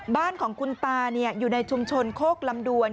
บ้านของคุณตาอยู่ในชุมชนโคกลำดวน